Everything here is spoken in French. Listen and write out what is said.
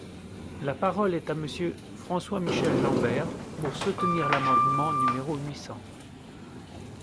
La parole est à Monsieur François-Michel Lambert, pour soutenir l’amendement numéro huit cents.